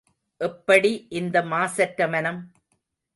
எப்படி இந்த மாசற்ற மனம்?